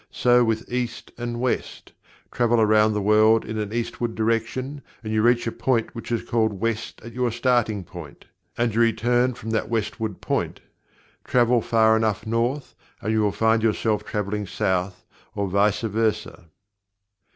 So with "East and West" travel around the world in an eastward direction, and you reach a point which is called west at your starting point, and you return from that westward point. Travel far enough North, and you will find yourself traveling South, or vice versa.